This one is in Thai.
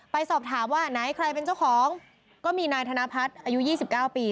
ไปสอบถามว่าไหนใครเป็นเจ้าของก็มีนายธนพัฒน์อายุ๒๙ปี